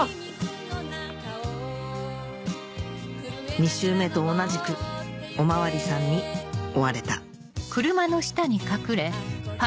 ２周目と同じくお巡りさんに追われたああ